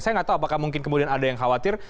saya nggak tahu apakah mungkin kemudian ada yang khawatir